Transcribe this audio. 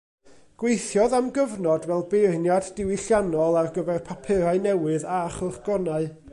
Gweithiodd am gyfnod fel beirniad diwylliannol ar gyfer papurau newydd a chylchgronau.